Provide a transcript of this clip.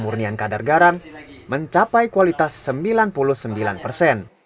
murnian kadar garam mencapai kualitas sembilan puluh sembilan persen